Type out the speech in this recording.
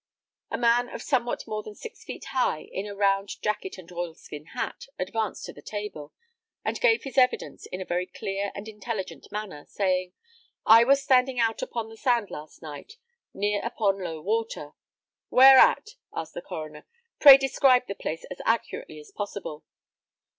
A man of somewhat more than six feet high, in a round jacket and oilskin hat, advanced to the table, and gave his evidence in a very clear and intelligent manner, saying, "I was standing out upon the sand last night, near upon low water " "Where at?" asked the coroner. "Pray describe the place as accurately as possible."